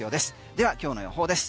では、今日の予報です。